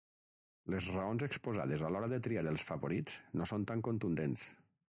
Les raons exposades a l'hora de triar els favorits no són tan contundents.